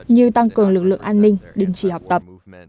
như tăng cường lực lượng an ninh đình chỉ học tập